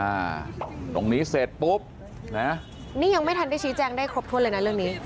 อ่าตรงนี้เสร็จปุ๊บนะนี่ยังไม่ทันได้ชี้แจงได้ครบถ้วนเลยนะเรื่องนี้